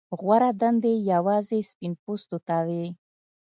غوره دندې یوازې سپین پوستو ته وې.